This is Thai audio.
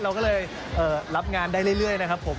เราก็เลยรับงานได้เรื่อยนะครับผม